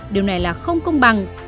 điều này là không công bằng